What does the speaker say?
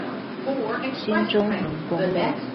新中橫公路